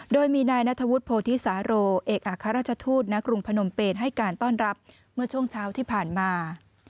โดยมีนายนัทวุฒิโพธิสาโรเอกอัครราชทูตณกรุงพนมเปนให้การต้อนรับเมื่อช่วงเช้าที่ผ่านมา